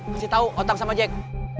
kasih tahu otak sama jack